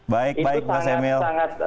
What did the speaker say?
baik baik mas emil